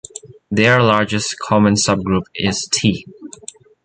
Their largest common subgroup is "T".